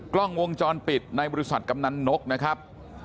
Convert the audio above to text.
กล้องวงจรปิดในบริษัทกำนันนกนะครับ